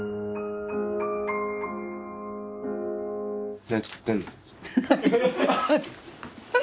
何作ってんの？